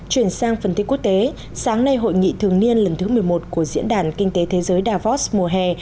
chuyển sang phần tiết quốc tế sáng nay hội nghị thường niên lần thứ một mươi một của diễn đàn kinh tế thế giới davos mùa hè